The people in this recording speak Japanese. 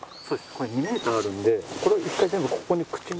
これ２メートルあるのでこれ１回全部ここに口に。